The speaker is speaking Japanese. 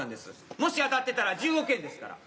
もし当たってたら１０億円ですから。